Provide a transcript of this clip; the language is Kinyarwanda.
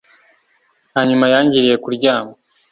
hanyuma yangiriye kuryama